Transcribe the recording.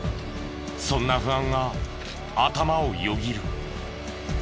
そんな不安が頭をよぎる。